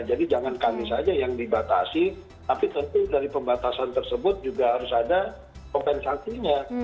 jadi jangan kami saja yang dibatasi tapi tentu dari pembatasan tersebut juga harus ada kompensasinya